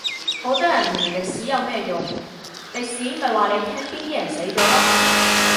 好多人唔明歷史有乜用，歷史咪話你聽邊啲人死咗囉